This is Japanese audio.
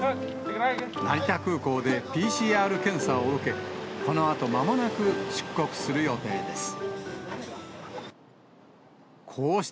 成田空港でＰＣＲ検査を受け、このあとまもなく出国する予定で